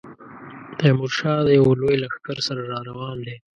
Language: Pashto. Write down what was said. تیمورشاه د یوه لوی لښکر سره را روان دی.